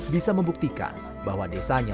bisa membuktikan bahwa desanya